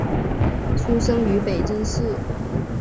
出生于北京市。